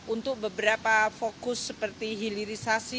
untuk beberapa fokus seperti hilirisasi